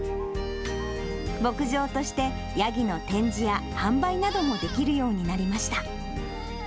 牧場としてヤギの展示や販売などもできるようになりました。